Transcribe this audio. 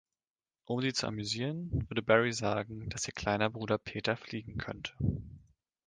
Um sie zu amüsieren, würde Barrie sagen, dass ihr kleiner Bruder Peter fliegen könnte.